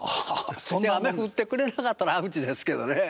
雨降ってくれなかったらアウチですけどね。